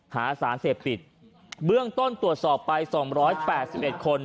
หาอาสารเสพติดเบื้องต้นตรวจสอบไปสองร้อยแปดสิบเอ็ดคน